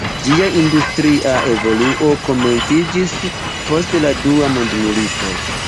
Ĝia industria evoluo komenciĝis post la Dua mondmilito.